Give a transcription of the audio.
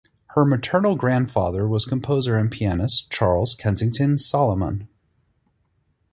Her maternal grandfather was composer and pianist Charles Kensington Salaman.